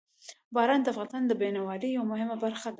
باران د افغانستان د بڼوالۍ یوه مهمه برخه ده.